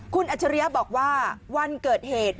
คุณอัจฉริยะบอกว่าวันเกิดเหตุ